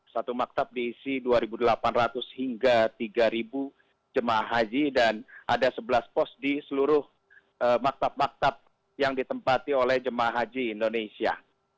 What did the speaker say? satu maktab diisi dua delapan ratus hingga tiga jemaah haji dan ada sebelas pos di seluruh maktab maktab yang ditempati oleh jemaah haji indonesia